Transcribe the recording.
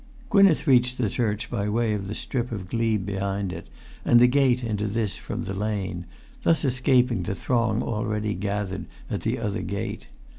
.. Gwynneth reached church by way of the strip of glebe behind it and the gate into this from the lane, thus escaping the throng already gathered at the other gate.